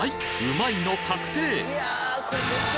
うまいの確定！